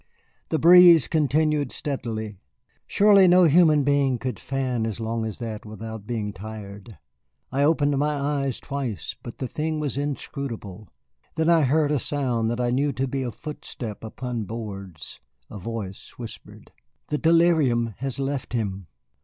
The breeze continued steadily. Surely no human being could fan as long as that without being tired! I opened my eyes twice, but the thing was inscrutable. Then I heard a sound that I knew to be a footstep upon boards. A voice whispered: "The delirium has left him."